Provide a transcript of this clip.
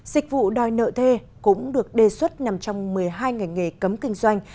dịch vụ đòi nợ thuê cũng được đề xuất nằm trong một mươi hai ngành nghề cấm kinh doanh